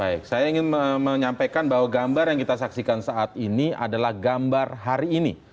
baik saya ingin menyampaikan bahwa gambar yang kita saksikan saat ini adalah gambar hari ini